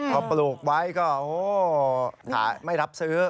พอปลูกไว้ก็ขายไม่รับซื้อ